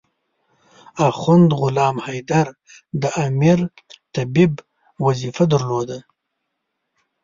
اخند غلام حیدر د امیر طبيب وظیفه درلوده.